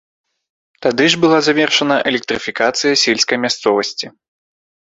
Тады ж была завершана электрыфікацыя сельскай мясцовасці.